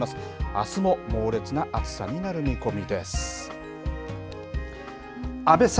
あすも猛烈な暑さになる見込みです。